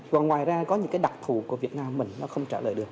và ngoài ra có những cái đặc thù của việt nam mình nó không trả lời được